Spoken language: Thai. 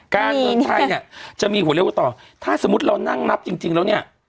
การเมืองไทยเนี่ยจะมีหัวเรียกว่าต่อถ้าสมมุติเรานั่งนับจริงแล้วเนี่ย